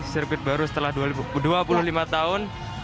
sirkuit baru setelah dua puluh lima tahun